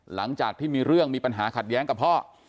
หลังจากที่มีเรื่องมีปัญหาขัดแย้งกับพ่อ